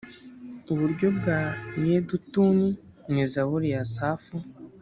uburyo bwa yedutuni ni zaburi ya asafu